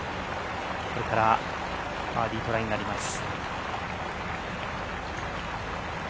これからバーディートライになります。